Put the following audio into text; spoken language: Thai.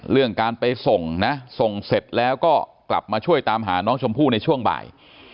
เรื่องการไปส่งนะส่งเสร็จแล้วก็กลับมาช่วยตามหาน้องชมพู่ในช่วงบ่าย